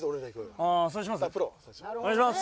お願いします！